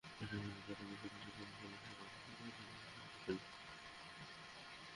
বিশ্বকাপ-যাত্রার আগে শেষ আনুষ্ঠানিক সংবাদ সম্মেলনটা হয়ে গেল কাল মিরপুর শেরেবাংলা স্টেডিয়ামে।